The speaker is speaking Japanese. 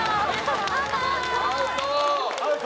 アウト。